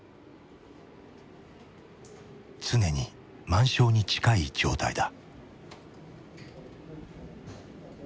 常に満床に近い状態だ。